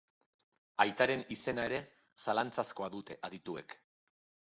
Aitaren izena ere zalantzazkoa dute adituek.